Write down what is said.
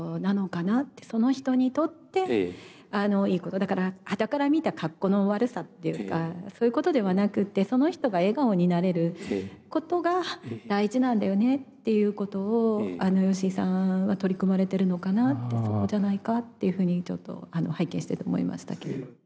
その人にとっていいことだからはたから見たかっこの悪さっていうかそういうことではなくてその人が笑顔になれることが大事なんだよねっていうことをあの吉井さんは取り組まれてるのかなってそこじゃないかっていうふうにちょっと拝見してて思いましたけれど。